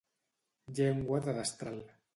Llengua de destral.